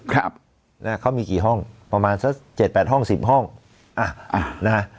ครับนะฮะเขามีกี่ห้องประมาณสักเจ็ดแปดห้องสิบห้องอ่ะอ่ะนะฮะ